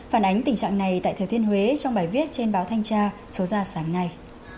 phản ánh tình trạng này tại thừa thiên huế trong bài viết trên báo thanh tra số ra sáng nay